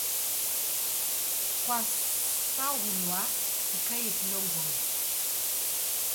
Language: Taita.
Kwasaghulwa kukaie kilongozi